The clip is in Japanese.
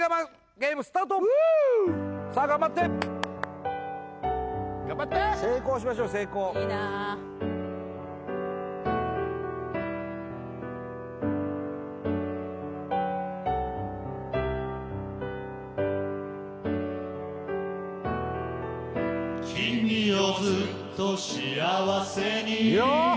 ゲームスタートさあ頑張って頑張って成功しましょう成功いいな・いいよ・